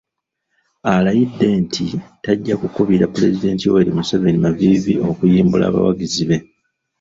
Alayidde nti tajja kukubira Pulezidenti Yoweri Museveni maviivi okuyimbula abawagizi be.